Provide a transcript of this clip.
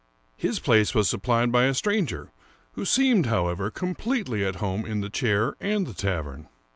His place was supplied by a stranger, who seemed, however, completely at home in the chair and the tavern.